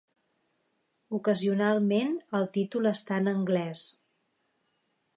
Ocasionalment, el títol està en anglès.